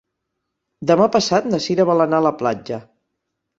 Demà passat na Cira vol anar a la platja.